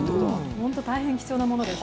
本当に大変貴重なものです。